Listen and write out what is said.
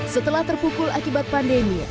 setelah terpukul akibat pandemi